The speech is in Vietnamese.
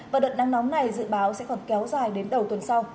và đợt nắng nóng này dự báo sẽ còn kéo dài đến đầu tuần sau